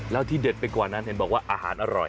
แล้วที่เด็ดไปกว่านั้นเห็นบอกว่าอาหารอร่อย